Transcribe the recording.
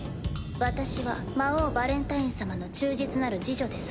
私は魔王ヴァレンタイン様の忠実なる侍女ですが。